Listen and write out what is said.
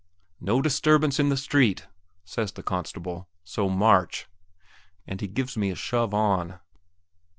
"No disturbance in the street," says the constable; "so, march," and he gives me a shove on.